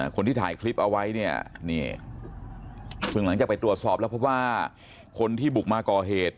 คนที่ถ่ายคลิปเอาไว้เนี่ยนี่ซึ่งหลังจากไปตรวจสอบแล้วพบว่าคนที่บุกมาก่อเหตุ